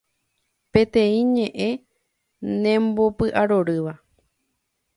Peteĩ ñe'ẽ nembopy'arorýva